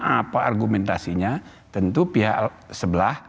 apa argumentasinya tentu pihak sebelah